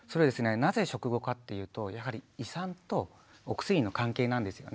なぜ食後かっていうとやはり胃酸とお薬の関係なんですよね。